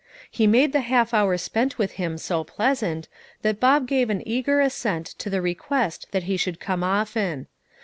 He made the half hour spent with him so pleasant, that Bob gave an eager assent to the request that he would come often.